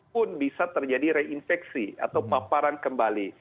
pun bisa terjadi reinfeksi atau paparan kembali